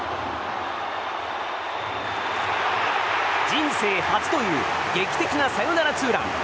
人生初という劇的なサヨナラツーラン！